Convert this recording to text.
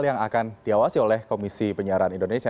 yang akan diawasi oleh komisi penyiaran indonesia